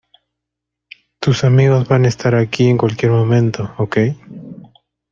Tus amigos van a estar aquí en cualquier momento. ¡ ok!